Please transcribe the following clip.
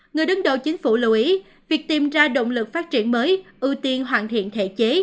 người đứng đầu chính phủ lưu ý việc tìm ra động lực phát triển mới ưu tiên hoàn thiện thể chế